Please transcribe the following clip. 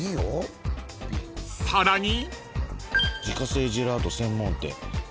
自家製ジェラート専門店。